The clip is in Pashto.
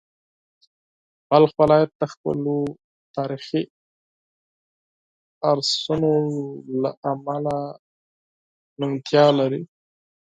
بلخ ولایت د خپلو تاریخي ارثونو له امله شهرت لري.